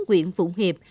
quyện phụng hiệp